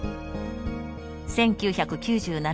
１９９７年